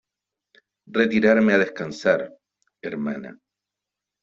retirarme a descansar , hermana .